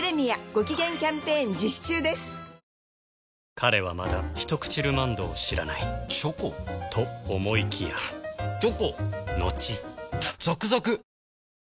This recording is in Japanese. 彼はまだ「ひとくちルマンド」を知らないチョコ？と思いきやチョコのちザクザク！